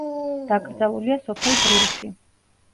დაკრძალულია სოფელ ბრილში.